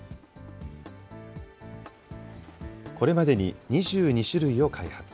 これまでに２２種類を開発。